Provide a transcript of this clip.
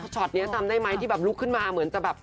นี้จำได้ไหมที่แบบลุกขึ้นมาเหมือนจะแบบ